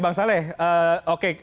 bang saleh oke